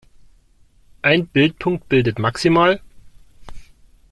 Ein Bildpunkt bildet max.